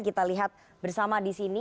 kita lihat bersama di sini